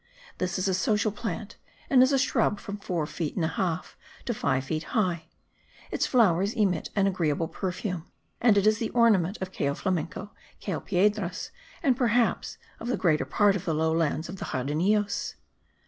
This is a social plant and is a shrub from four feet and a half to five feet high. Its flowers emit an agreeable perfume; and it is the ornament of Cayo Flamenco, Cayo Piedras and perhaps of the greater part of the low lands of the Jardinillos.